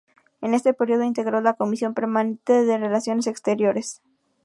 En este período integró la comisión permanente de Relaciones Exteriores.